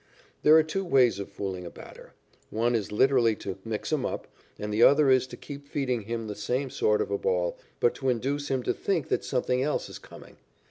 There are two ways of fooling a batter. One is literally to "mix 'em up," and the other is to keep feeding him the same sort of a ball, but to induce him to think that something else is coming.